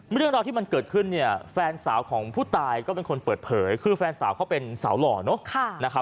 เรื่องราวที่มันเกิดขึ้นเนี่ยแฟนสาวของผู้ตายก็เป็นคนเปิดเผยคือแฟนสาวเขาเป็นสาวหล่อเนอะ